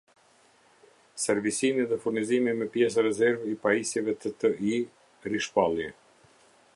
Servisimi dhe furnizimi me pjesë rezervë i pajisjeve të Ti -rishpallje